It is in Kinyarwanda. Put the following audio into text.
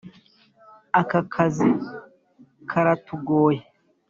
aka kazi karatugoye.